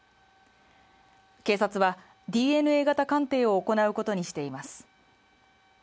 警察はＤＮＡ型鑑定を行うことにしています